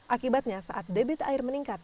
akibatnya saat debit air meningkat